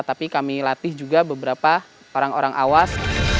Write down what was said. tapi kami latih juga beberapa orang orang awas